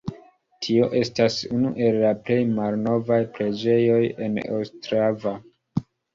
Tio estas unu el la plej malnovaj preĝejoj en Ostrava.